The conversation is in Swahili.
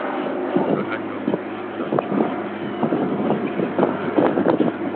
Mkakati wa Kukuza Uchumi na Kupunguza Umaskini Tanzania